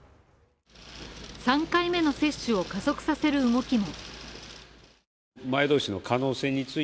３回目の接種を加速させる動きも。